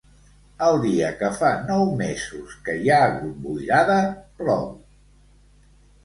El dia que fa nou mesos que hi ha hagut boirada, plou.